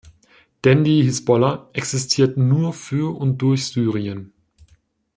Denn die Hisbollah existiert nur für und durch Syrien.